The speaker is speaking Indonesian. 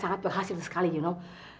sangat berhasil sekali you know